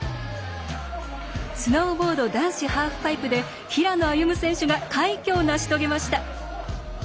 スノーボード男子ハーフパイプで平野歩夢選手が快挙を成し遂げました。